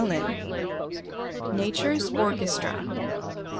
200 NATURE'S ORCHESTRA.